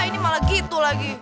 ini malah gitu lagi